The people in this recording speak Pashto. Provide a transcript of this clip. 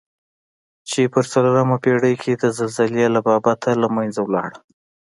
چې په څلورمه پېړۍ کې د زلزلې له بابته له منځه لاړه.